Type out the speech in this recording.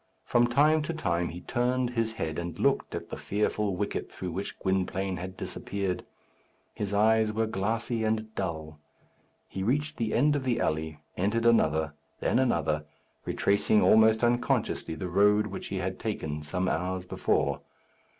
From time to time he turned his head and looked at the fearful wicket through which Gwynplaine had disappeared. His eyes were glassy and dull. He reached the end of the alley, entered another, then another, retracing almost unconsciously the road which he had taken some hours before.